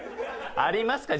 ありますか？